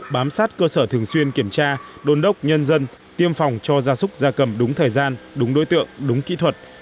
bám sát cơ sở thường xuyên kiểm tra đôn đốc nhân dân tiêm phòng cho gia súc gia cầm đúng thời gian đúng đối tượng đúng kỹ thuật